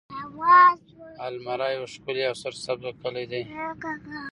المره يو ښکلی او سرسبزه کلی دی.